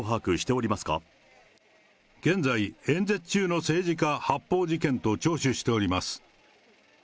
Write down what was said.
現在、演説中の政治家発砲事件と聴取しております。